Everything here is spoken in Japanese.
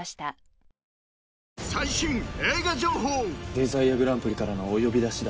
デザイアグランプリからのお呼び出しだ。